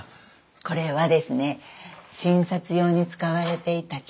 これはですね診察用に使われていた蛍光灯なんです。